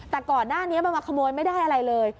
แต่ก่อนหน้านี้มันมาขโมยไม่ได้อะไรเลย